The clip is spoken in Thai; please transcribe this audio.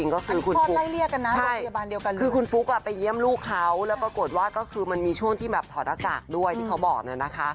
คือคุณปุ๊กไปเยี่ยมลูกเขาแล้วก็กดว่าก็คือมันมีช่วงที่แบบถอดหนักจากด้วยที่เขาบอกเนี่ยนะคะ